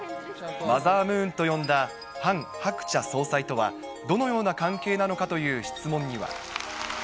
マザームーンと呼んだハン・ハクチャ総裁とはどのような関係なのかという質問には。